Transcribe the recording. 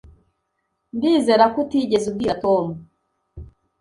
Ndizera ko utigeze ubwira Tom